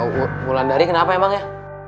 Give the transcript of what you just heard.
w wulan dari kenapa emang ya